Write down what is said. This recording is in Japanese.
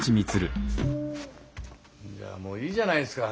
じゃあもういいじゃないですか。